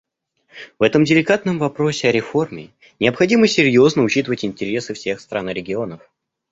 В этом деликатном вопросе о реформе необходимо серьезно учитывать интересы всех стран и регионов.